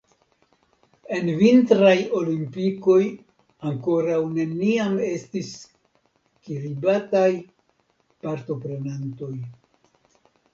En vintraj olimpikoj ankoraŭ neniam estis kiribataj partoprenantoj.